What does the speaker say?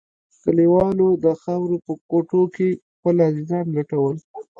کليوالو د خاورو په کوټو کښې خپل عزيزان لټول.